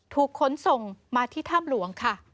ขนส่งมาที่ถ้ำหลวงค่ะ